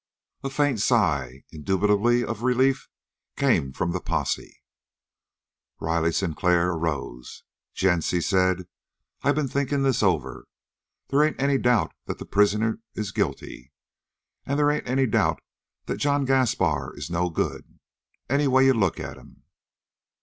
A faint sigh, indubitably of relief, came from the posse. Riley Sinclair arose. "Gents," he said, "I been thinking this over. They ain't any doubt that the prisoner is guilty, and they ain't any doubt that John Gaspar is no good, anyway you look at him.